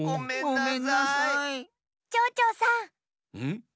ん？